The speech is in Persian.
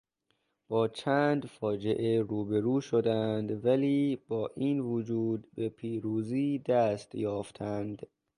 با چند فاجعه روبرو شدند ولی با این وجود به پیروزی دست یافتند.